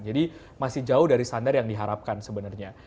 masih jauh dari standar yang diharapkan sebenarnya